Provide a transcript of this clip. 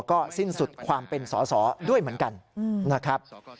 ก็สิ้นสุดความเป็นสอสอด้วยเหมือนกันนะครับ